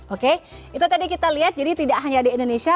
oke itu tadi kita lihat jadi tidak hanya di indonesia